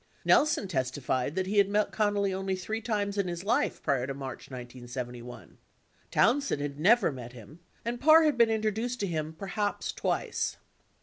Nelson testified that he had met Connally only three times in his life, prior to March 1971. 58 Townsend had never met him and Parr had been introduced to him perhaps twice.